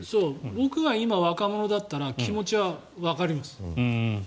僕が今、若者だったら気持ちはわかります。